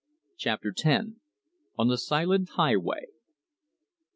CHAPTER TEN. ON THE SILENT HIGHWAY.